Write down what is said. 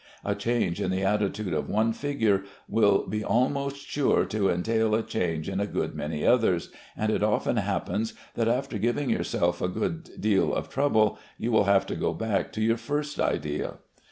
A change in the attitude of one figure will be almost sure to entail a change in a good many others, and it often happens that, after giving yourself a good deal of trouble, you will have to go back to your first idea.